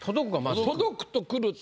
「届く」とくると。